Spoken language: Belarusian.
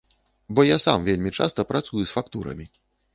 Бо я сам вельмі часта працую з фактурамі.